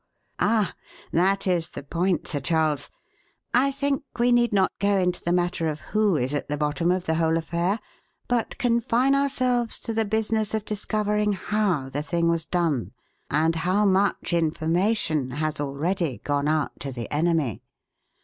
"Ah, that is the point, Sir Charles. I think we need not go into the matter of who is at the bottom of the whole affair, but confine ourselves to the business of discovering how the thing was done, and how much information has already gone out to the enemy.